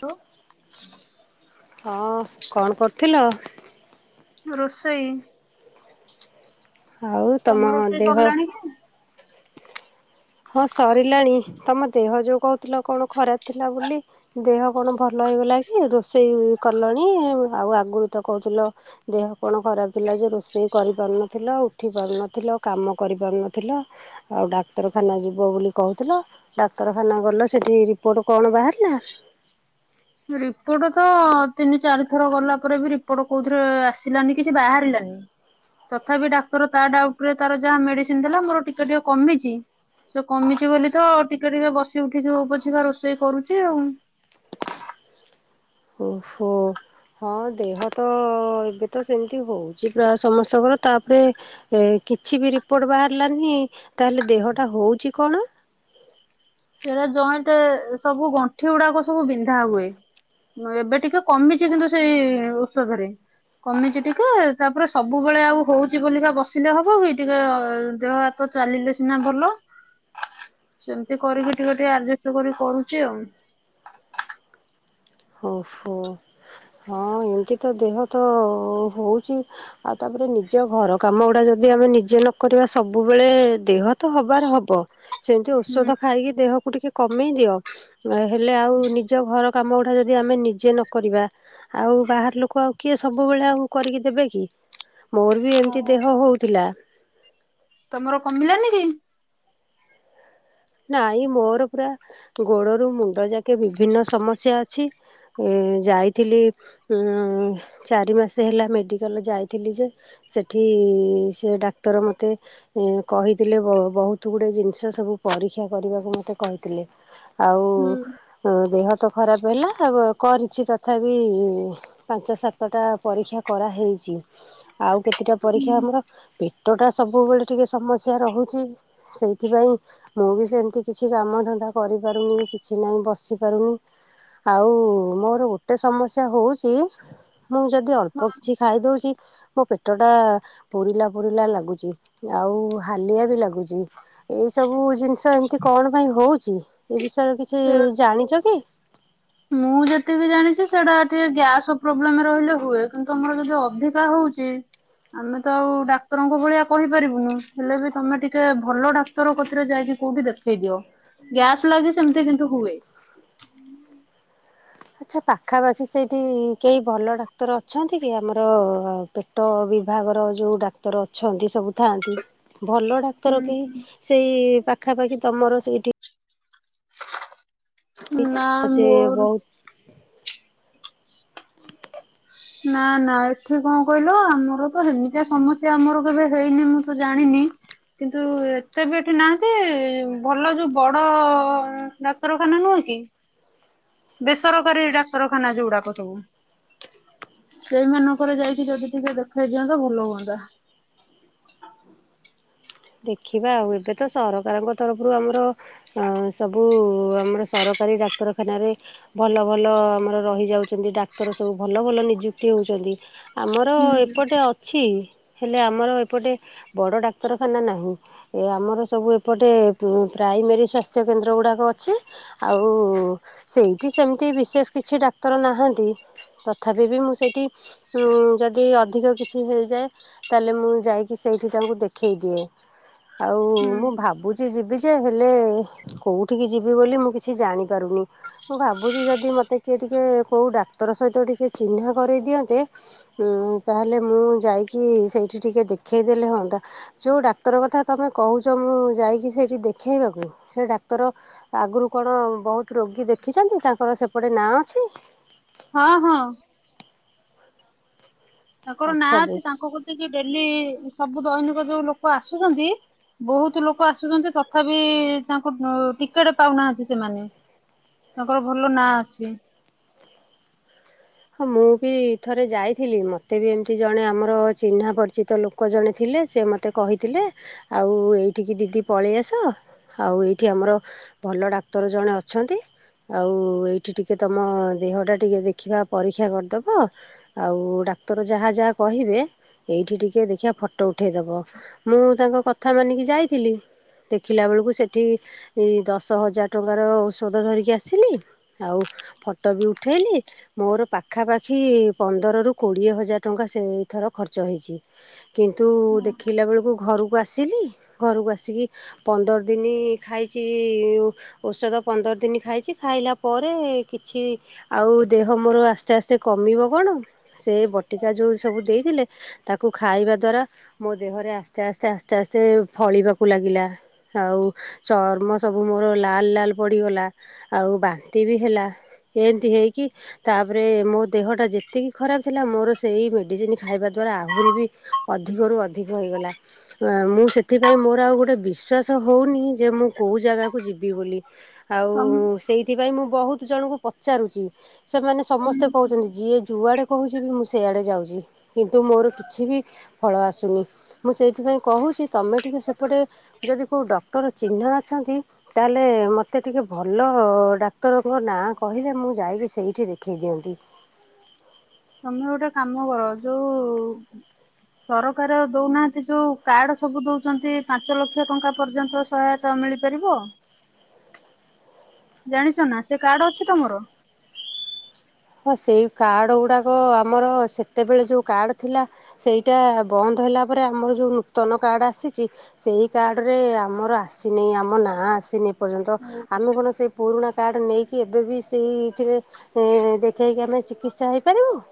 ହ। ହଁ କଣ କରୁଥିଲ? ରୋଷେଇ ଆଉ ତମ ରୋଷେଇ ଦେହ ସରିଲାଣି ହଁ ସରିଲାଣି? ତମ ଦେହ ଯେଉଁ କହୁଥିଲ କଣ ଖରାପ ଥିଲା। ବୋଲି ଦେହ କଣ ଭଲ ହେଇଗଲା କି? ରୋଷେଇ କଲଣି ଆଉ ଆଗରୁ ତ କହୁଥିଲ ଦେହ କଣ ଖରାପ ଥିଲା ଯେ ରୋଷେଇ କରିପାରୁନଥିଲ। ଉଠି ପାରୁନଥିଲ କାମ କରିପାରୁନଥିଲ ଆଉ ଡାକ୍ତର ଖାନା ଯିବ ବୋଲି କହୁଥିଲ ଡାକ୍ତରଖାନା ଗଲ ସେଠି ରିପୋର୍ଟ କଣ ବାହାରିଲା ରିପୋର୍ଟ ତ ତିନି ଚାରି ଥର ଗଲା ପରେ ବି ରିପୋର୍ଟ କୋଉଥିରେ ଆସିଲାନି କିଛି ବାହାରିଲାନି ତଥାପି ଡାକ୍ତର ତା ଡାଉଟ ରେ ତାର ଯାହା ମେଡିସିନ ଥିଲା ମୋର ଟିକେ ଟିକେ କମିଛି ସେ କମିଛି ବୋଲି ତ ଟିକେ ଟିକେ ବସି ଉଠିକି ଉପଛିକା ରୋଷେଇ କରୁଛି ଆଉ ଓହୋ ହଁ ଦେହ ତ ଏବେ ତ ସେମିତି ହଉଛି ପ୍ରାୟ ସମସ୍ତଙ୍କର ତାପରେ କିଛି ବି ରିପୋର୍ଟ ବାହାରିଲାନି ତାହଲେ ଦେହଟା ହଉଛି କଣ? ସୋ ଜଏଣ୍ଟ ସବୁ ଗଣ୍ଠି ଗୁଡାକ ସବୁ ବିନ୍ଧା ହୁଏ ଏବେ ଟିକେ କମିଛି କିନ୍ତୁ ସେଇ ଔଷଧରେ କମିଛି ଟିକେ ତାପରେ ସବୁବେଳେ ଆଉ ହଉଛି ବୋଲିକା ବସିଲେ ହବ କି ଟିକେ ଦେହ ହାତ ଚାଲିଲେ ସିନା ଭଲ ସେମିତି। କରିକି ଟିକେ ଟିକେ ଆଡଜଷ୍ଟ କରି କରୁଛି ଆଉ। [inaudible] ଓହୋ ହଁ ଏମିତି ତ ଦେହ ତ ହଉଛି ଆଉ ତାପରେ ନିଜ ଘର କାମ ଗୁଡା ଯଦି ଆମେ ନିଜେ ନକରିବା ସବୁବେଳେ ଦେହ ତ ହବାର ହବ ସେମିତି ଔଷଧ ହୁଁ ଖାଇକି ଦେହକୁ ଟିକେ କମେଇ ଦିଅ। ହେଲେ ଆଉ ନିଜ ଘର କାମ ଗୁଡାକ ଯଦି ଯଦି ଆମେ ନିଜେ ନ କରିବା ଆଉ ବାହାର ଲୋକ ଆଉ କିଏ ସବୁବେଳେ ଆଉ କରିକି ଦେବେ କି। ମୋର ବି ଏମିତି ହଉ ଦେହ ହଉଥିଲା ତମର କମିଲାନି କି? [inaudible] ନାଇଁ ମୋର ପୁରା ଗୋଡ଼ରୁ ମୁଣ୍ଡ ଯାକେ ବିଭିନ୍ନ ସମସ୍ୟା ଅଛି ଯାଇଥିଲି ଚାରି ମାସ ହେଲା ମେଡିକାଲ ଯାଇଥିଲି ଯେ ସେଠି ସେ ଡାକ୍ତର ମତେ କହିଥିଲେ ବହୁତ ଗୁଡ଼ଏ ଜିନିଷ ସବୁ ପରୀକ୍ଷା କରିବାକୁ ମତେ କହିଥିଲେ। ହୁଁ। ଆଉ ଦେହ ଭତ ଖରାପ ହେଲା କରିଛି ତଥାପି ପାଞ୍ଚ ସାତଟା ପରୀକ୍ଷା କରାହେଇଛି ଆଉ କେତେଟା ପରୀକ୍ଷା ଆମର ପେଟଟା ସବୁବେଳେ ଟିକଏ ସମସ୍ୟା ରହୁଛି ସେଇଥିପାଇଁ। ମୁଁ ବି ସେମିତି କିଛି କାମ ଧନ୍ଦା କରିପାରୁନି କିଛି ନହିଁ ବସି ପାରୁନି ଆଉ ମୋର ଗୋଟେ ସମସ୍ୟା ହୋଉଛି। ମୁଁ ଯଦି ଅଳ୍ପ ହଁ କିଛି ଖାଇଦୋଉଛି ମୋ ପେଟ ଟା ପୋଡିଲା ପୋଡିଲା ଲାଗୁଛି ଆଉ ହାଲିଆ ବି ଲାଗୁଛି ଏଇ ସବୁ ଜିନିଷ ଏମିତି କଣ ପାଇଁ ହଉଛି ଏ ବିଷ ସର କିଛି ସେ ଜାଣିଛ କି? ମୁଁ ଯେତିକି ଜାଣିଛି ସେଟା ଟିକେ ଗ୍ୟାସ ପ୍ରୋବ୍ଲେମ ରହିଲେ ହୁଏ କିନ୍ତୁ ତମର ଯଦି ଅଧିକା ହଉଛି ଆମେ ତ ଆଉ ଡାକ୍ତରଙ୍କ ଭଳିଆ କହିପାରିବୁନୁ ହେଲେ ବି ତମେ ଟିକେ ଭଲ ଡାକ୍ତର କଥରେ ଯାଇକି କୋଉଠି ଦେଖେଇ ଦିଅ ଗ୍ୟାସ୍ ଲାଗି ସେମିତି କିନ୍ତୁ ହୁଏ। ଆଚ୍ଛା ପାଖାପାଖି ସେଇଠି କେହି ଭଲ ଡାକ୍ତର ଅଛନ୍ତି କି ଆମର ପେଟ ବିଭାଗର ଯୋଉ ଡାକ୍ତର ଅଛନ୍ତି ସବୁ ଥାଆନ୍ତି। ଭଲ ହୁଁ ଡାକ୍ତର କେହି ସେଇ ପାଖାପାଖି ତମର ସେଇଠି। ନା ସେ ମୋର ବହୁତ [inaudible] ନା ନା ଏଠି କଣ କହିଲ ଆମର ତ ଏମିତିଆ ସମସ୍ୟା ଆମର କେବେ ହେଇନି ମୁଁ ତ ଜାଣିନି କିନ୍ତୁ ଏତେ ବି ଏଠି ନାହାନ୍ତି ଭଲ ଯୋଉ ବଡ ଡାକ୍ତରଖାନା ନୁହେଁ କି ବେସରକାରୀ ଡାକ୍ତରଖାନା ଯୋଉଗୁଡାକ ସବୁ [inaudible] ସେଇମାନଙ୍କର ଯାଇକି ଯଦି ଟିକେ ଦେଖେଇ ଦିଅନ୍ତ ଭଲ ହୁଅନ୍ତା। [inaudible] ଦେଖିବା ଆଉ ଏବେ ତ ସରକାରଙ୍କ ତରଫରୁ ଆମର ସବୁ ଆମର ସରକାରୀ ଡାକ୍ତରଖାନାରେ ଭଲ ଭଲ ଆମର ରହିଯାଉଛନ୍ତି ଡାକ୍ତର ସବୁ ଭଲ ଭଲ ନିଯୁକ୍ତି ହେଉଛନ୍ତି। ଆମର ହୁଁ। ଏପଟେ ଅଛି ହେଲେ ଆମର ଏପଟେ ବଡ ଡାକ୍ତର ଖାନା ନାହିଁ ଏ ଆମର ସବୁ ଏପଟେ ପ୍ରାଇମେରୀ ସ୍ୱାସ୍ଥ୍ୟକେନ୍ଦ୍ର ଗୁଡ଼ାକ ଅଛି ଆଉ ସେଇଠି ସେମିତି ବିଶେଷ କିଛି ଡାକ୍ତର ନାହାନ୍ତି ତଥାପି ବି ମୁଁ ସେଇଠି ଯଦି ଅଧିକ କିଛି ହେଇଯାଏ ତାହେଲେ ମୁଁ ଯାଇକି ସେଇଠି ତାଙ୍କୁ ଦେ ଖେଇ ଦିଏ। ଆଉ ହୁଁ ମୁଁ ଭାବୁ କିଛି ଯିବି ଯେ ହେଲେ କୋଉଠିକି ଯିବି ବୋଲି ମୁଁ କିଛି ଜାଣିପାରୁନି ମୁଁ ଭାବୁଛି ଯଦି ମୋତେ କିଏ ଟିକିେ କୋଉ ଡାକ୍ତର ସହିତ ଟିକେ ଚିହ୍ନା କରାଇଦିଅନ୍ତେ ତାହେଲେ ମୁଁ ଯାଇକି ସେଇଠି ଟିକିଏ ଦେଖେଇ ଦେଲେହନ୍ତା। ଯେଉଁ ଡାକ୍ତର କଥା ତମେ କହୁଛ ମୁଁ ଯାଇକି ସେଇଠି ଦେଖେଇବାକୁ ସେ ଡାକ୍ତର ଆଗରୁ କଣ ବହୁତ ରୋଗୀ ଦେଖିଛନ୍ତି। ତାଙ୍କର ସେପଟେ ନାଁ ଅଛି? ହଁ ହଁ। ତାଙ୍କର ନାଁ ଆଚ୍ଛା ଦେ ଅଛି ତାଙ୍କ କତିକି ଡେଲି ସବୁ ଦୈନିକ ଯୋଉ ଲୋକ ଆସୁଛନ୍ତି ବହୁତ ଲୋକ ଆସୁଛନ୍ତି ତଥାପି ତାଙ୍କୁ ଟିକେଟ ପାଉନାହାନ୍ତି ସେମାନେ [inaudible] ତାଙ୍କର ଭଲ ନାଁ ଅଛି। [inaudible] ହଁ ମୁଁ ବି ଥରେ ଯାଇଥିଲି ମୋତେ ବି ଏମିତି ଜଣେ ଆମର ଚିହ୍ନା ପରିଚିତ ଲୋକ ଜଣେ ଥିଲେ ସେ ମୋତେ କହିଥିଲେ ଆଉ ଏଇଠିକି ଦିଦି ପଳେଇ ଆସ ଆଉ ଏଇଠି ଆମର ଭଲ ଡାକ୍ତର ଜଣେ ଅଛନ୍ତି ଆଉ ଏଇଠି ଟିକେ ତମ ଦେହଟା ଟିକିଏ ଦେଖିବା। ପରୀକ୍ଷା କରିଦେବ ଆଉ ଡାକ୍ତର ଯାହା ଯାହା କହିବେ ଏଇଠି ଟିକେ ଦେଖିଆ ଫଟୋ ଉଠେଇଦବ। ମୁଁ ତାଙ୍କ କଥା ମାନିକି ଯାଇଥିଲି। ଦେଖିଲା ବେଳକୁ ସେଇଠି ଦଶ ହଜାର ଟଙ୍କାର ଔଷଧ ଧରିକି ଆସିଲି। ଆଉ ଫଟୋ ବି ଉଠେଇଲି। ମୋର ପାଖାପାଖି ପନ୍ଦରରୁ କୋଡ଼ିଏ ହଜାର ଟଙ୍କା ସେଇଥର ଖର୍ଚ୍ଚ ହେଇଛି। କିନ୍ତୁ ଦେଖିଲା ବେଳକୁ ଘରକୁ ଆସିଲି ଘରକୁ ଆସିକି ପନ୍ଦର ଦିନ ଖାଇଛି ଔଷଧ ପନ୍ଦର ଦିନ ଖାଇଛି। ଖାଇଲା ପରେ କିଛି ଆଉ ଦେହ ମୋର ଆସ୍ତେ ଆସ୍ତେ କମିବ କଣ? ସେ ବଟିକା ଯୋଉ ସବୁ ଦେଇଥିଲେ ତାକୁ ଖାଇବା ଦୁଆରା ମୋ ଦେହରେ ଆସ୍ତେ ଆସ୍ତେ ଆସ୍ତେ ଆସ୍ତେ ଫଳିବାକୁ ଲାଗିଲା ଆଉ ଚର୍ମ ସବୁ ମୋର ଲାଲ ଲାଲ ପଡ଼ିଗଲା। ଆଉ ବାନ୍ତି ବି ହେଲା ଏମିତି ହେଇ କି ତାପରେ ମୋ ଦେହଟା ଯେତିକି ଖରାପ ଥିଲା ମୋର ସେଇ ମେଡିସିନ ଖାଇବା ଦ୍ୱାରା ଆହୁରି ବି ଅଧିକ ରୁ ଅଧିକ ହୋଇଗଲା। ମୁଁ ସେଥିପାଇଁ ମୋର ଆଉ ଗୋଟେ ବିଶ୍ୱାସ ହେଉନି ଯେ ମୁଁ କେଉଁ ଜାଗାକୁ ଯିବି ବୋଲି। ଆଉ ତମ ସେଇଥି ପାଇଁ ମୁଁ ବହୁତ ଜଣଙ୍କୁ ପଚାରୁଛି? ସେମାନେ ସମସ୍ତେ କହୁଛନ୍ତି ଯିଏ ଯୁଆଡେ କହୁଛି ବି ମୁଁ ସେଆଡେ ଯାଉଛି। କିନ୍ତୁ ମୋର କିଛି ବି ଫଳ ଆସୁନି ମୁଁ ସେଇଥିପାଇଁ କହୁଛି। ତମେ ଟିକେ ସେପଟେ ଯଦି କେୋଉ ଡକ୍ଟର ଚିହ୍ନ ଅଛନ୍ତି। ତାହେଲେ ମୋତେ ଟିକେ ଭଲ ଡାକ୍ତରଙ୍କ ନାଁ କହିଲେ ମୁଁ ଯାଇକି ସେଇଠି ଦେଖେଇ ଦିଅନ୍ତି। [inaudible] ତମେ ଗୋଟେ କାମ କର ଯୋଉ ସରକାର ଦଉନାହାନ୍ତି ଯୋଉ କାର୍ଡ ସବୁ ଦଉଛନ୍ତି ପାଞ୍ଚ ଲକ୍ଷ ଟଙ୍କା ପର୍ଯ୍ୟନ୍ତ ସହାୟତା ମିଳିପାରିବ। [inaudible] ଜାଣିଛ ନା ସେ କାର୍ଡ ଅଛି ତମର? ହଁ ସେଇ କାର୍ଡ଼ ଗୁଡ଼ାକ ଆମର ସେତେବେଳେ ଯେଉ କାର୍ଡ଼ ଥିଲା। ସେଇଟା ବନ୍ଦ ହେଲା ପରେ ଆମର ଯେଉ ନୂତନ କାର୍ଡ଼ ଆସିଛି। ସେଇ କାର୍ଡ଼ରେ ଆମର ଆସିନି ଆମ ନାଁ ଆସିନି। ଏ ଏ ପର୍ଯ୍ୟନ୍ତ ଓହୋ ଆମେ କଣ ସେଇ ପୁରୁଣା କାର୍ଡ ନେଇକି ଏବେ ବି ସେଇତିରେ ଦେ ଯାଇକି ଆମେ ଚିକିତ୍ସା ହେଇପାରିବୁ?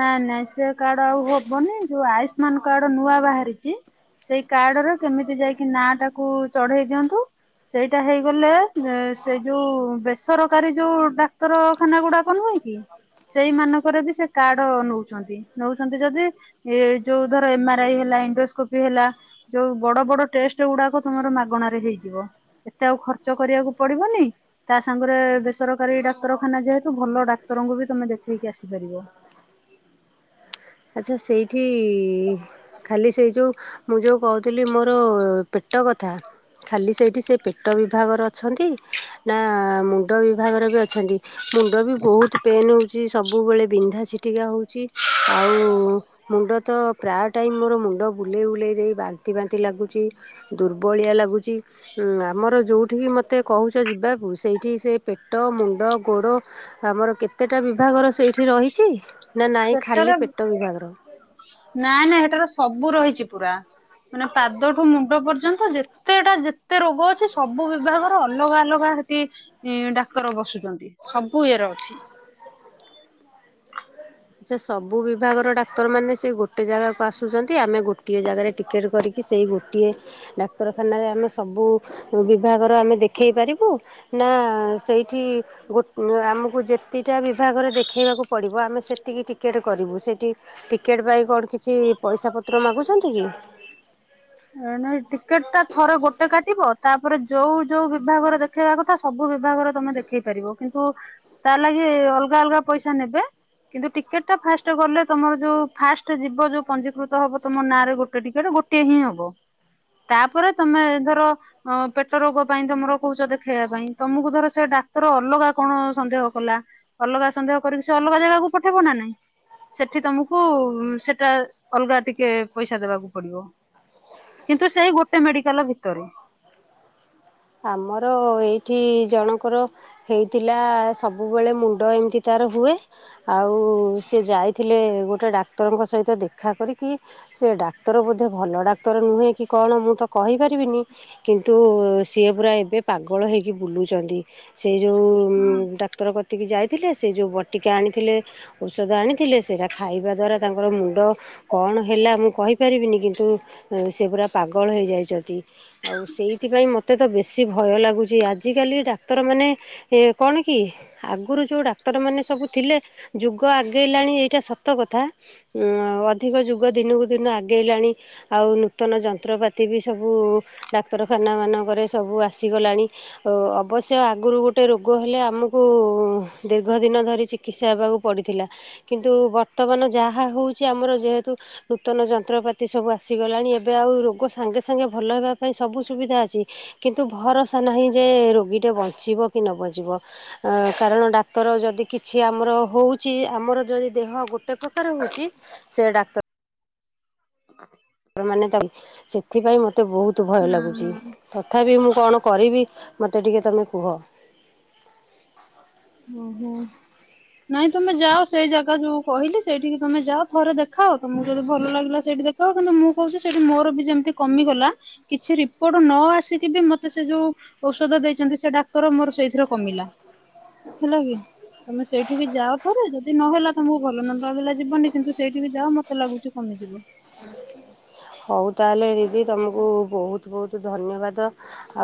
ନାଇଁ ନାଇଁ ସେ କାର୍ଡ ଆଉ ହବନି। ଯୋଉ ଆୟୁଷ୍ମାନ କାର୍ଡ ନୂଆ ବାହାରିଛି ସେଇ କାର୍ଡ ରେ କେମିତି ଯାଇକି ନା ଟାକୁ ଚଢେଇ ଦିଅନ୍ତୁ। ସେଇଟା ହେଇଗଲେ ସେଇ ଯୋଉ ବେସରକାରୀ ଯୋଉ ଡାକ୍ତରଖାନା ଗୁଡାକ ନୁହେଁ କି? ସେଇମାନାନଙ୍କରେ ବି ସେ କାର୍ଡ ନଉଛନ୍ତି ନଉଛନ୍ତି ଯଦି ଏ ଯୋଉ ଧର ଏମ ଆର ଆଇ ହେଲା ଇଣ୍ଡୋସ୍କୋପି ହେଲା ଯୋଉ ବଡ ବଡ ଟେଷ୍ଟ ଗୁଡାକ ତମର ମାଗଣାରେ ହେଇଯିବ। ଏତେ ଆଉ ଖର୍ଚ୍ଚ କରିବାକୁ ପଡିବନି ତା ସାଙ୍ଗରେ ବେସରକାରୀ ଡାକ୍ତରଖାନା ଯେହେତୁ ଭଲ ଡାକ୍ତରଙ୍କୁ ବି ତମେ ଦେଖେଇକି ଆସିପାରିବ। ଆଚ୍ଛା ସେଇଠି ଖାଲି ସେଇ ଯେଉ ମୁଁ ଯେୋଉ କହୁଥିଲି ମୋର ପେଟ କଥା ଖାଲି ସେଇ ସେ ପେଟ ବିଭାଗର ଅଛନ୍ତି ନା ମୁଣ୍ଡ ବିଭାଗର ବି ଅଛନ୍ତି। ମୁଣ୍ଡ ବି ବହୁତ ପେନ୍ ହେଉଛି ସବୁବେଳେ ବିନ୍ଧା ଛିଟିକା ହଉଛି। ଆ ଆଉ ମୁଣ୍ଡ ତ ପ୍ରାୟ ଟାଇମ୍ ମୋର ମୁଣ୍ଡ ବୁଲେଇ ବୁଲେଇ ଦେଇ ବାନ୍ତି ବାନ୍ତି ଲାଗୁଚି। ଦୁର୍ବଳିଆ ଲାଗୁଛି ଆମର ଯେଉଁଠିକି ମୋତେ କହୁଛ ଯିବାକୁ ସେଇଠି ସେ ପେଟ ମୁଣ୍ଡ ଗୋଡ଼ ଆମର କେତେଟା ବିଭାଗର ସେଇଠି ରହିଛି। ନା ନାଇଁ ଖାଲି ପେ [inaudible] ନା ନା ହେଟାର ସ ସବୁ ରହିଛି ପୁରା ମାନେ ପାଦଠୁ ମୁଣ୍ଡ ପର୍ଯ୍ୟନ୍ତ ଯେତେଟା ଯେତେ ରୋଗ ଅଛି ସବୁ ବିଭାଗର ଅଲଗା ଅଲଗା ସେଠି ଡାକ୍ତର ବସୁଛନ୍ତି। ସବୁ ଇଏରେ ଅଛି। ସେ ସବୁ ବିଭାଗର ଡାକ୍ତରମାନେ ସେ ଗୋଟେ ଜାଗାକୁ ଆସୁଛନ୍ତି। ଆମେ ଗୋଟିଏ ଜାଗାରେ ଟିକେଟ କରିକି ସେଇ ଗୋଟିଏ ଡାକ୍ତରଖାନାରେ ଆମେ ସବୁ ବିଭାଗର ଆମେ ଦେଖେଇ ପାରିବୁ। ନା ସେଇଠି ଆମକୁ ଯେତିଟା ବିଭାଗରେ ଦେଖେଇବାକୁ ପଡ଼ିବ। ଆମେ ଏତିକି ଟିକେଟ କରିବୁ ସେଠି ଟିକେଟ ପାଇଁ କଣ କିଛି ପଇସା ପତ୍ର ମାଗୁଛନ୍ତି କି? ନାଇଁ ଟିକେଟ ଟା ଥରେ ଗୋଟେ କାଟିବ ତାପରେ ଯୋଉ ଯୋଉ ବିଭାଗରେ ଦେଖେଇବା କଥା ସବୁ ବିଭାଗରେ ତମେ ଦେଖେଇ ପାରିବ। କିନ୍ତୁ ତା ଲାଗି ଅଲଗା ଅଲଗା ପଇସା ନେବେ। କିନ୍ତୁ ଟିକେଟ ଟା ଫାଷ୍ଟ ଗଲେ ତମର ଯୋଉ ଫାଷ୍ଟ ଯିବ ଯୋଉ ପଞ୍ଜିକୃତ ହବ ତମ ନାଁରେ। ଗୋଟେ ଟିକେଟ ଗୋଟେ ହିଁ ହବ। ତାପରେ ତମେ ଧର ପେଟ ରୋଗ ପାଇଁ ତମର କହୁଛ ଦେଖେଇବା ପାଇଁ। ତମକୁ ଧର ସେ ଡାକ୍ତର ଅଲଗା କଣ ସନ୍ଦେହ କଲା ଅଲଗା ସନ୍ଦେହ କରିକି ସେ ଅଲଗା ଜାଗାକୁ ପଠେଇବ ନା ନାଇଁ। ସେଠି ତମକୁ ସେଟା ଅଲଗା ଟିକେ ପଇସା ଦବାକୁ ପଡିବ। କିନ୍ତୁ ସେଇ ଗୋଟେ ମେଡିକାଲ ଭିତରେ। [inaudible] ଆମର ଏଇଠି ଜଣଙ୍କର ହେଇଥିଲା ସବୁବେଳେ ମୁଣ୍ଡ ଏମିତି ତାର ହୁଏ। ଆଉ ସେ ଯାଇଥିଲେ ଗୋଟେ ଡାକ୍ତରଙ୍କ ସହିତ ଦେଖା କରିକି ସେ ଡାକ୍ତର ବୋଧେ ଭଲ ଡାକ୍ତର ନୁହେଁ କି କଣ? ମୁଁ ତ କହିପାରିବିନି। କିନ୍ତୁ ସିଏ ପୁରା ଏବେ ପାଗଳ ହେଇକି ବୁଲୁଚନ୍ତି। ସେଇ ଯଉ ହଁ ଡାକ୍ତର କତିକି ଯାଇ ଥିଲେ ସେ ଯୋଉ ବଟିକା ଆନିଥିଲେ ଔଷଧ ଆଣିଥିଲେ। ସେଟା ଖାଇବା ଦାରା ତାଙ୍କର ମୁଣ୍ଡ କଣ ହେଲା ମୁଁ କହିପାରିବିନି। କିନ୍ତୁ ସେ ପୁରା ପାଗଳ ହୋଇଯାଇଚନ୍ତି ଆଉ ସେଇଥି ପାଇଁ ମୁଁ ମୋତେ ତ ବେଶୀ ଭୟ ଲାଗୁଛି ଆଜିକାଲି ଡାକ୍ତରମାନେ କଣ କି? ଆଗରୁ ଯେଉଁ ଡାକ୍ତରମାନେ ସବୁ ଥିଲେ ଯୁଗ ଆଗେଇଲାଣି। ଏଇଟା ସତ କଥା ଅଧିକ ଯୁଗ ଦିନକୁ ଦିନ ଆଗେଇଲାଣି। ଆଉ ନୂତନ ଯନ୍ତ୍ରପାତି ବି ସବୁ ଡାକ୍ତରଖାନାମାନ ଘରେ ସବୁ ଆସିଗଲାଣି ଅବଶ୍ୟ ଆଗରୁ ଗୋଟେ ରୋଗ ହେଲେ ଆମକୁ ଦୀର୍ଘ ଦିନ ଧରି ଚିକିତ୍ସା ହେବାକୁ ପଡ଼ିଥିଲା। କିନ୍ତୁ ବର୍ତ୍ତମାନ ଯାହା ହେଉଛି ଆମର ଯେହେତୁ ନୂତନ ଯନ୍ତ୍ରପାତି ସବୁ ଆସିଗଲାଣି। ଏ ଏବେ ଆଉ ରୋଗ ସାଙ୍ଗେ ସାଙ୍ଗେ ଭଲ ହେବା ପାଇଁ ସବୁ ସୁବିଧା ଅଛି। କିନ୍ତୁ ଭରସା ନାହିଁ ଯେ ରୋଗୀଟେ ବଞ୍ଚିବ କି ନ ବଚିବ କାରଣ ଡାକ୍ତର ଯଦି କିଛି ଆମର ହଉଛି। ଆମର ଯଦି ଦେହ ଗୋଟେ ପ୍ରକାର ହେଉଛି। ସେ ଡାକ୍ତର [inaudible] ମାନେ ତବ୍ ସେଥିପାଇଁ ମ ମତେ ବହୁତ୍ ଭୟ ହଁ ଲାଗୁଛି ହଁ। ତଥାପି ମୁଁ କଣ କରିବି ମତେ ଟିକେ ତମେ କୁହ। ଓ ହୋ। ନାଇଁ ତମେ ଯାଅ ସେଇ ଜାଗା ଯୋଉ କହିଲି ସେଇଠିକି ତମେ ଯାଅ ଥରେ ଦେଖାଓ ତମକୁ ଯଦି ଭଲ ଲାଗିଲା ସେଇଠି ଦେଖାଓ କିନ୍ତୁ ମୁଁ କହୁଛି ସେଠି ମୋର ବି ଯେମିତି କମିଗଲା କିଛି ରିପୋର୍ଟ ନ ଆସିକି ବି ମତେ ସେ ଯୋଉ ଔଷଧ ଦେଇଛନ୍ତି ସେ ଡାକ୍ତର ମୋର ସେଇଥିରେ କମିଲା। ହେଲା କି ତମେ ସେଇଠିିକ ଯାଓ ଥରେ ଯଦି ନହେଲା ତମକୁ ଭଲ ନ [unintelligible] ଯିବନି କିନ୍ତୁ ସେଇଠିକି ଯାଓ ମତେ ଲାଗୁଛି କମିଯିବ। ହଉ ତାହେଲେ ଦିଦି ତମକୁ ବହୁତ୍ ବହୁତ୍ ଧନ୍ୟବାଦ।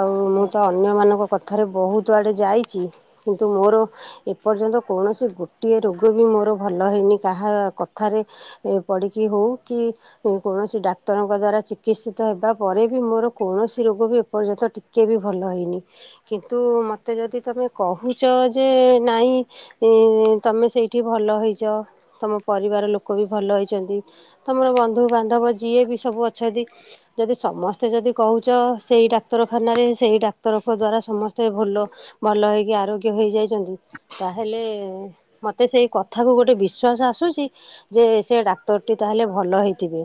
ଆଉ ମୁଁ ହଁ ତ ଅନ୍ୟମାନଙ୍କ କଥାରେ ବହୁତ୍ ଆଡ଼େ ଯାଇଛି କିନ୍ତୁ ମୋର ଏପର୍ଯ୍ୟନ୍ତ କୌଣସି ଗୋଟିଏ ରୋଗ ବି ମୋର ଭଲ ହେଇନି କାହା କଥାରେ ପଡ଼ିକି ହଉ କି କୌଣସି ଡାକ୍ କ୍ଟରଙ୍କ ଦ୍ଵାରା ଚିକିତ୍ସିତ ହେବା ପରେ ବି ମୋର କୌଣସି ରୋଗ ବି ଏପର୍ଯ୍ୟନ୍ତ ଟିକେ ବି ଭଲ ହେଇନି କିନ୍ତୁ ମତେ ଯଦି ତମେ କହୁଛ ଯେ ନାଇଁ ଇ ତମେ ସେଇଠି ଭଲ ହେଇଚ ତମ ପରିବାର ଲୋକ ବି ଭଲ ହେଇଚନ୍ତି ତମର ବନ୍ଧୁବାନ୍ଧବ ଯିଏ ବି ସବୁ ଅଛନ୍ତି ଯଦି ସମସ୍ତେ ଯଦି କହୁଚ ସେଇ ଡାକ୍ତରଖାନାରେ ସେଇ ଡାକ୍ତରଙ୍କ ଦ୍ଵାରା ସମସ୍ତେ ଭଲ ଭଲ ହେଇକି ଆରୋଗ୍ୟ ହେଇଯାଇଚନ୍ତି ତାହେଲେ ମତେ ସେଇ କଥାକୁ ଗୋଟେ ବିଶ୍ୱାସ ଆସୁଛି ଯେ ସେ ଡାକ୍ତରଟି ତାହେଲେ ଭଲ ହେଇଥିବେ।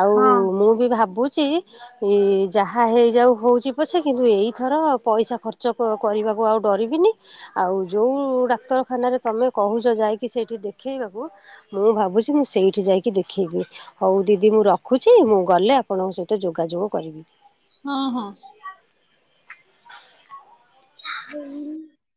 ଆଉ ହଁ ମୁଁ ବି ଭାବୁ ଚି ଇ ଯାହା ହେଇଯାଉ ହେଉଚି ପଛେ କିନ୍ତୁ ଏଇଥର ପଇସା ଖର୍ଚ୍ଚ କରିବାକୁ ଆଉ ଡରିବିନି ଆଉ ଯୋଉ ଡାକ୍ତରଖାନାରେ ତମେ କହୁଚ ଯାଇକି ସେଇଠି ଦେଖେଇବାକୁ ମୁଁ ଭାବୁଚି ମୁଁ ସେଇଠି ଯାଇକି ଦେଖେଇବି ହଉ ଦିଦି ମୁଁ ର ଖୁଚି ମୁଁ ଗଲେ ଆପଣଙ୍କ ସହିତ ଯୋଗାଯୋଗ କରିବି। ହଁ ହଁ। [inaudible]